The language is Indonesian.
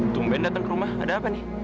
tumben datang ke rumah ada apa nih